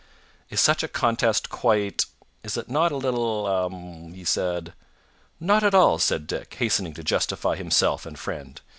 "Is such a contest quite ? Is it not a little um?" he said. "Not at all," said Dick, hastening to justify himself and friend.